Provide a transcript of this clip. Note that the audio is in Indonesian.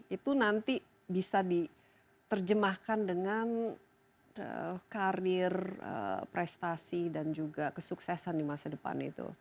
itu nanti bisa diterjemahkan dengan karir prestasi dan juga kesuksesan di masa depan itu